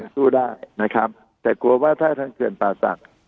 สู้ได้นะครับแต่กลัวว่าถ้าทางเขื่อนป่าศักดิ์